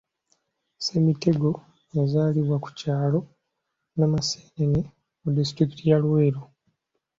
Ssemitego yazaalibwa ku kyalo Namasenene mu disitulikiti ya Luweero